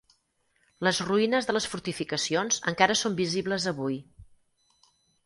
Les ruïnes de les fortificacions encara són visibles avui.